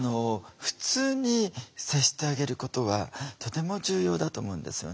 普通に接してあげることはとても重要だと思うんですよね。